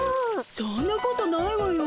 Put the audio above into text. そんなことないわよ。